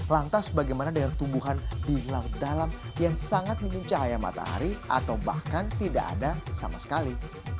lantas bagaimana dengan tumbuhan di laut dalam yang sangat minum cahaya matahari atau bahkan tidak ada sama sekali